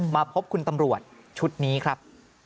มาพบคุณตำรวจชุดนี้ครับ